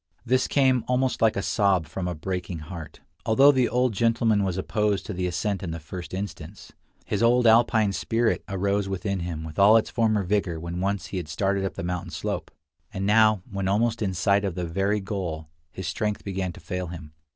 This came almost like a sob from a breaking heart. Although the old gentleman was opposed to the ascent in the first instance, his old Alpine spirit arose within him with all its former vigor when once he had started up the mountain slope; and now, when almost in sight of the very goal, his strength began to fail him.